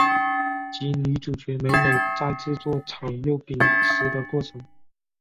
及女主角美美在制作炸肉饼时的过程。